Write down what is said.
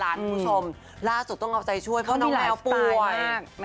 ราชสุดต้องเอาจริจใจช่วยเพราะน้องแมวป่วย